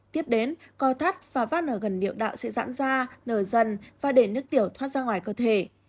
tiếp đến co thắt và vắt ở gần niệm đạo sẽ dãn ra nở dần và để nước tiểu thoát ra ngoài cơ thể